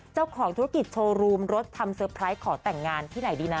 เจ้าของธุรกิจโชว์รูมรถทำเตอร์ไพรส์ขอแต่งงานที่ไหนดีนะ